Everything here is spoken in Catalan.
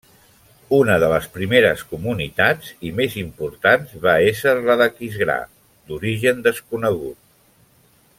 Una de les primeres comunitats, i més importants, va ésser la d'Aquisgrà, d'origen desconegut.